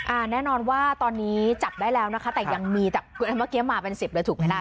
แน่นอนว่าตอนนี้จับได้แล้วนะคะแต่ยังมีแต่เมื่อกี้มาเป็นสิบเลยถูกไหมล่ะ